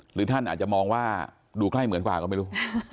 หรือท่านอาจจะมองว่าดูใกล้เหมือนกว่าก็ไม่รู้